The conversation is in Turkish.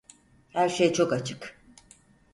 Her şey çok açık.